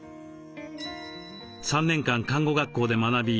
３年間看護学校で学び